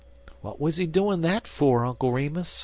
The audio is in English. "What was he doing that for, Uncle Remus?"